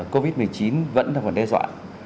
covid một mươi chín vẫn còn đe dọa